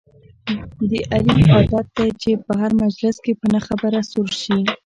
د علي عادت دی په هر مجلس کې په نه خبره سور شي.